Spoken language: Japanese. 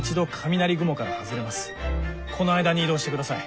この間に移動してください。